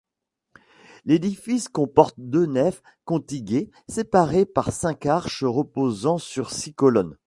L'édifice comporte deux nefs contiguës, séparées par cinq arches reposant sur six colonnes.